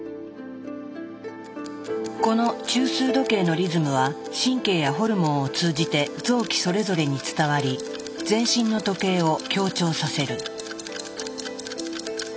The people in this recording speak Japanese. この中枢時計のリズムは神経やホルモンを通じて臓器それぞれに伝わり全身の時計を協調させる。